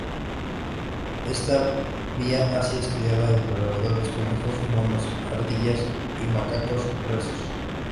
Esta vía ha sido estudiada en roedores, conejos, monos ardilla y macacos rhesus.